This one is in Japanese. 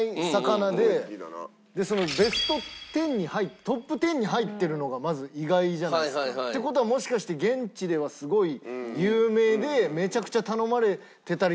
ベスト１０にトップ１０に入ってるのがまず意外じゃないですか。って事はもしかして現地ではすごい有名でめちゃくちゃ頼まれてたりするのかなと。